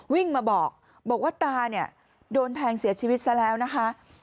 วิ่งมาบอกบอกว่าตาเนี่ยโดนแทงเสียชีวิตซะแล้วนะคะ